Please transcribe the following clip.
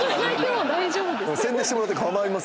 宣伝してもらって構いませんし。